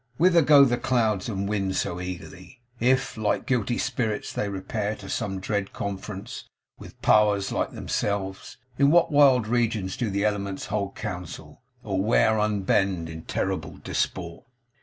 Whither go the clouds and wind so eagerly? If, like guilty spirits, they repair to some dread conference with powers like themselves, in what wild regions do the elements hold council, or where unbend in terrible disport?